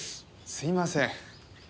すいません。